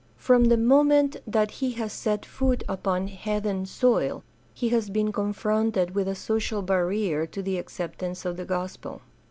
From the moment that he has set foot upon heathen soil he has been confronted with a social barrier to the acceptance of the Gospel.